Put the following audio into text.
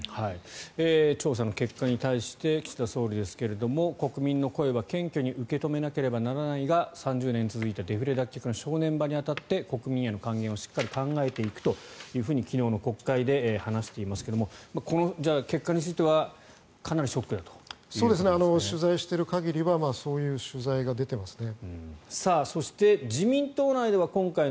調査の結果に対して岸田総理ですが国民の声は謙虚に受け止めなければならないが３０年続いたデフレ脱却の正念場に当たって国民への還元をしっかりと考えていくと昨日の国会で話していますがこの結果については取材している限りはそういう取材が出ていますね。